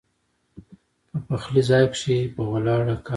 پۀ پخلي ځائے کښې پۀ ولاړه کار کوي